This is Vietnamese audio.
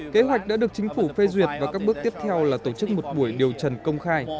kế hoạch đã được chính phủ phê duyệt và các bước tiếp theo là tổ chức một buổi điều trần công khai